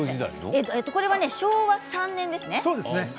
これは昭和３年ですね。